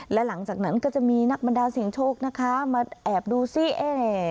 และหลังจากนั้นก็จะมีนักบรรดาเสียงโชคนะคะมาแอบดูซิเอ